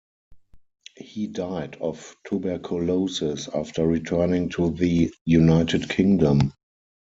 He died of tuberculosis after returning to the United Kingdom.